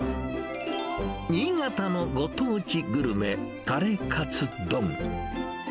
新潟のご当地グルメ、タレカツ丼。